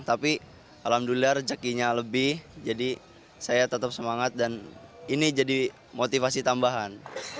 tapi alhamdulillah rezekinya lebih jadi saya tetap semangat dan ini jadi motivasi tambahan